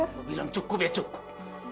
mau bilang cukup ya cukup